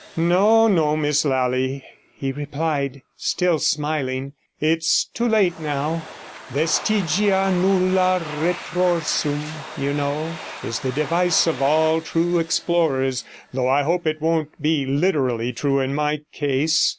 69 'No, no, Miss Lally,' he replied, still smiling, 'it's too late now. Vestigia nulla retrorsum, you know, is the device of all true explorers, though I hope it won't be literally true in my case.